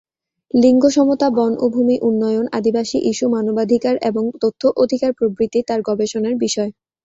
লিঙ্গ-সমতা, বন ও ভূমি, উন্নয়ন, আদিবাসী ইস্যু, মানবাধিকার এবং তথ্য অধিকার প্রভৃতি তার গবেষণার বিষয়।